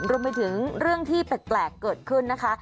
รวมไปถึงเรื่องที่แปลกเกิดขึ้นนะคะ